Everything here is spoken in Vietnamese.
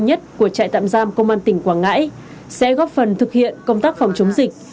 nhất của trại tạm giam công an tỉnh quảng ngãi sẽ góp phần thực hiện công tác phòng chống dịch